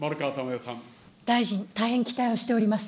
大臣、大変期待をしております。